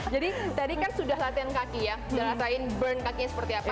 jadi tadi kan sudah latihan kaki ya jelasin burn kakinya seperti apa